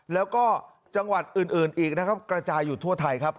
แล้วก็จังหวัดอื่นอีกนะครับกระจายอยู่ทั่วไทยครับ